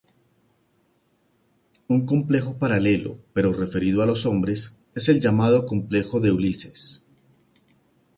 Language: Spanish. Un complejo paralelo, pero referido a los hombres, es el llamado complejo de Ulises.